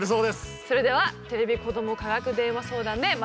それでは「テレビ子ども科学電話相談」でまたお会いしましょう！